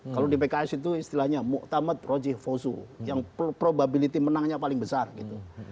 kalau di pks itu istilahnya muktamad roji fosu yang probability menangnya paling besar gitu